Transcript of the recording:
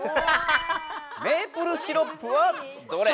「メープルシロップはどれ？」。